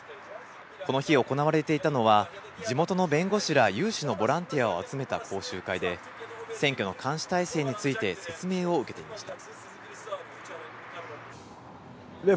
この日、行われていたのは、地元の弁護士ら有志のボランティアを集めた講習会で、選挙の監視体制について説明を受けていました。